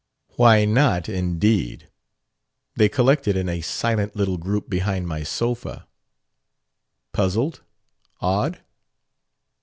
"Why not, indeed? They collected in a silent little group behind my sofa...." "Puzzled? Awed?"